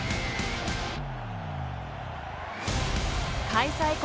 開催国